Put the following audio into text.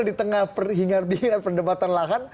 di tengah perhingar bingar perdebatan lahan